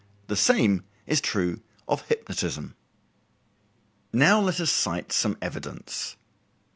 The same is true of hypnotism. Now let us cite some evidence.